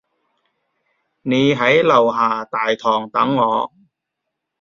你喺樓下大堂等我